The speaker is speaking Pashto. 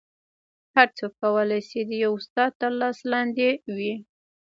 هر څوک کولی شي د یو استاد تر لاس لاندې وي